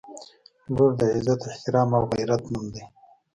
• لور د عزت، احترام او غیرت نوم دی.